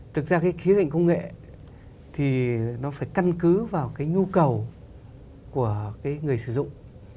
thực ra cái khía cạnh công nghệ thì nó phải căn cứ vào cái nhu cầu của cái người sử dụng